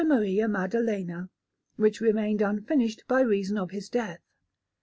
Maria Maddalena, which remained unfinished by reason of his death.